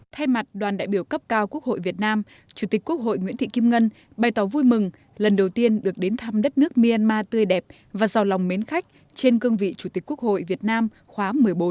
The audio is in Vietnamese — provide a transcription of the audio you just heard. thay mặt đoàn đại biểu cấp cao quốc hội việt nam chủ tịch quốc hội nguyễn thị kim ngân bày tỏ vui mừng lần đầu tiên được đến thăm đất nước myanmar tươi đẹp và giàu lòng mến khách trên cương vị chủ tịch quốc hội việt nam khóa một mươi bốn